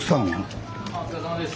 お疲れさまです。